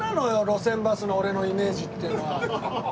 『路線バス』の俺のイメージっていうのは。